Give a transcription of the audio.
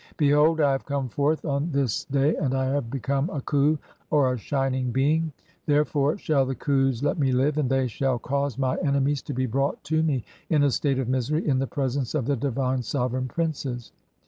(2) Behold, I have come forth on this "day, and I have become a Khu (or a shining being) ; there fore shall the Khas let me live, and they shall cause my ene "mies to be brought to me in a state of misery in the presence "of the divine sovereign princes.